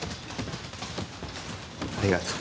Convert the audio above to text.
ありがとう。